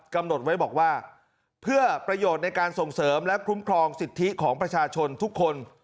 กำหนดไว้บอกว่าเพื่อประโยชน์ในการส่งเสริมและคุ้มครองสิทธิของประชาชนทุกคน